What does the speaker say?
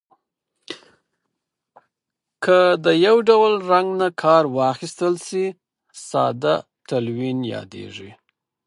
که د یو ډول رنګ نه کار واخیستل شي ساده تلوین یادیږي.